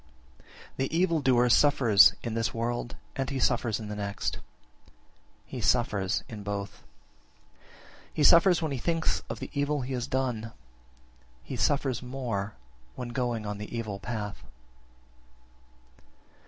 17. The evil doer suffers in this world, and he suffers in the next; he suffers in both. He suffers when he thinks of the evil he has done; he suffers more when going on the evil path.